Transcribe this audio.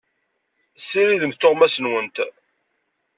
Ssiridemt tuɣmas-nwent.